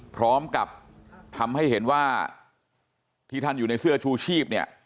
พร้อมกับทำให้เห็นว่าที่ท่านอยู่ในเสื้อชูชีพเนี่ย